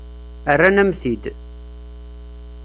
Rran-am-t-id.